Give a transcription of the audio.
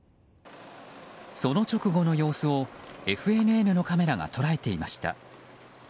その直後の様子をＦＮＮのカメラが捉えていました。